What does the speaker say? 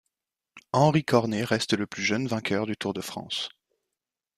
Henri Cornet reste le plus jeune vainqueur du Tour de France.